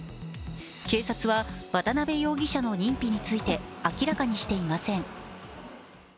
警察は、渡邊容疑者の認否について明らかしていません。